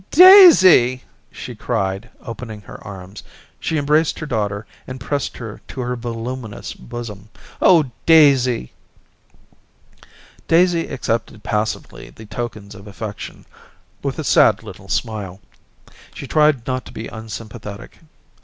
* Daisy !' she cried, opening her arms. She embraced her daughter and pressed her to her voluminous bosom. 'Oh, Daisy !' Daisy accepted passively the tokens of affection, with a little sad smile. She tried not to be unsympathetic.